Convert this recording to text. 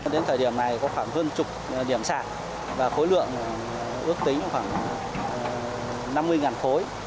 đến thời điểm này có khoảng hơn chục điểm sạt và khối lượng ước tính khoảng năm mươi khối